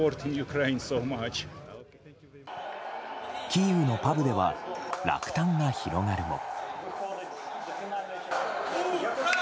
キーウのパブでは落胆が広がるも。